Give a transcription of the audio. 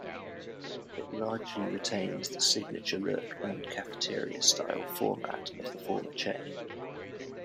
It largely retains the signature look and cafeteria-style format of the former chain.